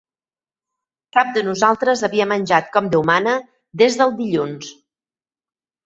Cap de nosaltres havia menjat com Déu mana des del dilluns